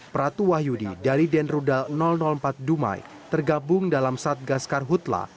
pratu wahyudi dari denruda empat dumai tergabung dalam satgas karhutlah